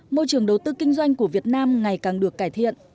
môi trường đầu tư kinh doanh của việt nam ngày càng được cải thiện